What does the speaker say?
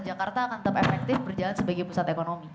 jakarta akan tetap efektif berjalan sebagai pusat ekonomi